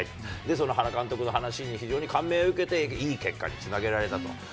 その原監督の話に非常に感銘を受けていい結果につなげられたと。